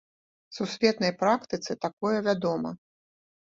Сусветнай практыцы такое вядома.